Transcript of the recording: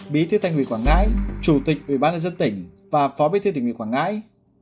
bí thư tỉnh ủy quảng ngãi chủ tịch ủy ban dân tỉnh và phó bí thư tỉnh ủy quảng ngãi